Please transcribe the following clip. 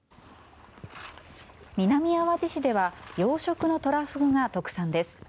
南あわじ市では養殖のトラフグが特産です。